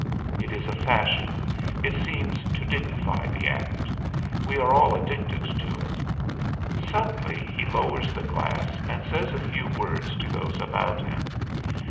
It is a fashion; it seems to dignify the act; we are all addicted to it. Suddenly he lowers the glass and says a few words to those about him.